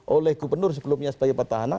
oleh gubernur sebelumnya sebagai petahana